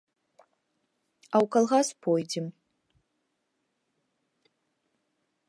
А ў калгас пойдзем.